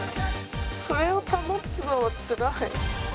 それを保つのはつらい。